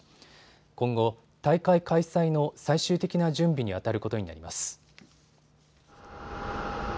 今後、大会開催の最終的な準備にあたることになります。